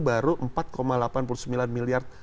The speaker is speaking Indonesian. baru empat delapan puluh sembilan miliar